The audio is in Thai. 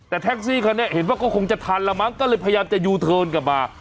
แต่แท็กซี่คันนี้เห็นว่าก็คงจะทันแล้วมั้งก็เลยพยายามจะยูเทิร์นกลับมา